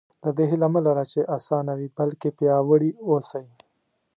د دې هیله مه لره چې اسانه وي بلکې پیاوړي اوسئ.